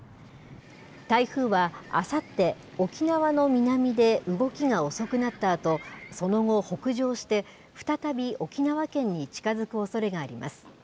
台風はあさって、沖縄の南で動きが遅くなったあと、その後、北上して、再び沖縄県に近づくおそれがあります。